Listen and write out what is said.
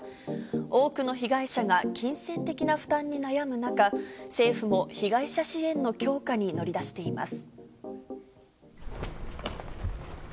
多くの被害者が金銭的な負担に悩む中、政府も被害者支援の強化に乗り出しています。